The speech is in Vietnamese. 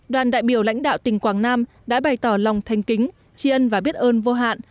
đoàn đại biểu lãnh đạo tỉnh quảng nam đã bày tỏ lòng thanh kính chi ân và biết ơn vô hạn